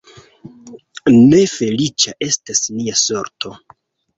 Ne feliĉa estas nia sorto!